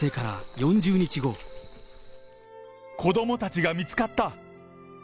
子どもたちが見つかった！